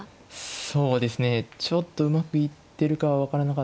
そうですねちょっとうまくいってるかは分からなかったんですけど